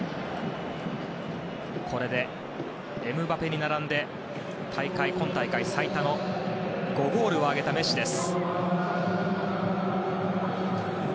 これでエムバペに並んで今大会最多の５ゴールを挙げたメッシです。